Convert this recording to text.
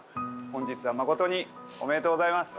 本日は誠におめでとうございます。